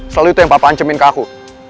selalu itu yang papa ancemin ke aku